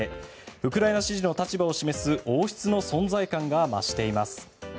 ウクライナ支持の立場を示す王室の存在感が増しています。